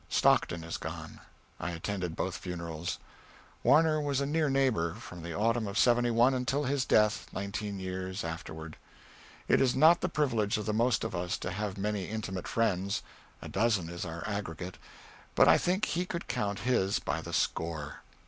Stockton is gone. I attended both funerals. Warner was a near neighbor, from the autumn of '71 until his death, nineteen years afterward. It is not the privilege of the most of us to have many intimate friends a dozen is our aggregate but I think he could count his by the score.